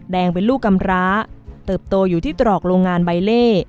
แดงเป็นลูกกำร้าเติบโตอยู่ที่ตรอกโรงงานใบเล่